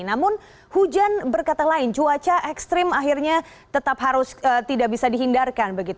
namun hujan berkata lain cuaca ekstrim akhirnya tetap harus tidak bisa dihindarkan